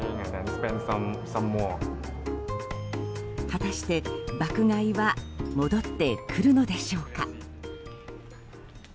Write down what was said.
果たして爆買いは戻ってくるのでしょうか。